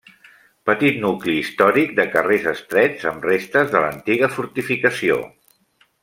Petit nucli històric de carrers estrets amb restes de l'antiga fortificació.